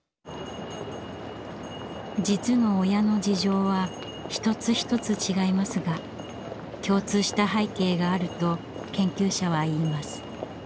実の親の事情は一つ一つ違いますが共通した背景があると研究者は言います。